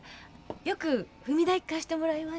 よく踏み台貸してもらいました。